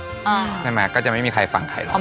ใช่ไหมก็จะไม่มีใครฟังใครหรอก